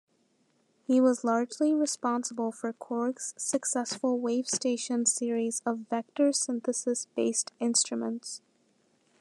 He was largely responsible for Korg's successful Wavestation series of vector-synthesis-based instruments.